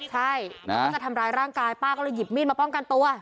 ใช่เขาจะทำร้ายร่างกายป้าก็เลยหยิบมีดมาป้องกันตัว